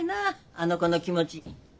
あの子の気持ち。